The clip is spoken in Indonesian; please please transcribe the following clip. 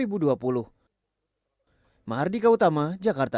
mahardika utama jakarta